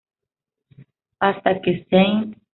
Hasta que St.